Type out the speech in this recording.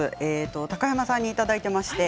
高山さんにいただいています。